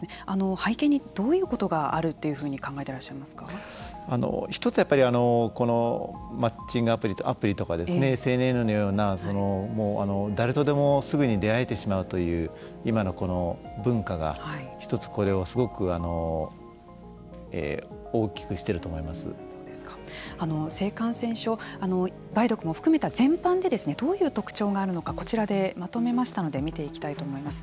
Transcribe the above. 背景にどういうことがあるというふうに１つはやっぱりマッチングアプリとかアプリとかですねＳＮＳのような誰とでもすぐに出会えてしまうという今の文化が１つ、これをすごく性感染症梅毒も含めた全般でどういう特徴があるのかこちらでまとめましたので見ていきたいと思います。